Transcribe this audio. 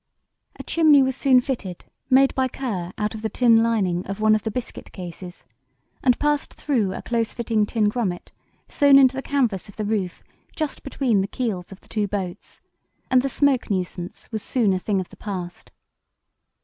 A chimney was soon fitted, made by Kerr out of the tin lining of one of the biscuit cases, and passed through a close fitting tin grummet sewn into the canvas of the roof just between the keels of the two boats, and the smoke nuisance was soon a thing of the past.